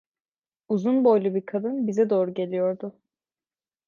Uzun boylu bir kadın bize doğru geliyordu.